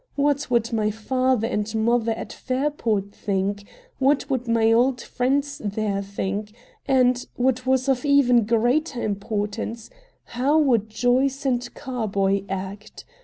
What would my father and mother at Fairport think; what would my old friends there think; and, what was of even greater importance, how would Joyce & Carboy act?